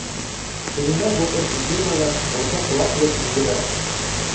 Өңөнә боҫоп өлгөрмәгән бурһыҡ лап-лоп йүгерә.